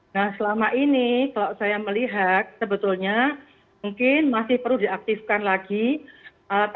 nah selama ini kalau saya melihat sebetulnya mungkin masih perlu diaktifkan lagi